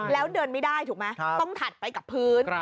แล้วเดินไม่ได้ถูกไหมต้องถัดไปกับพื้น